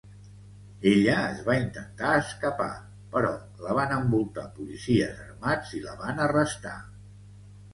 Ella es va intentar escapar, però la van envoltar policies armats i la van arrestar.